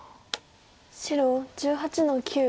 白１８の九。